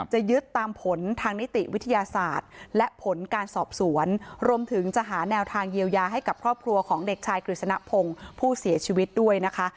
จะยึดตามผลทางนิติวิทยาศาสตร์และผลการสอบสวนรวมถึงจะหาแนวทางเยียวยาให้กับครอบครัวของเด็กชายกฤษณพงศ์ผู้เสียชีวิตด้วยนะคะ